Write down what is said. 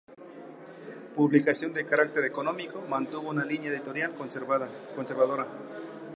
Publicación de carácter económico, mantuvo una línea editorial conservadora.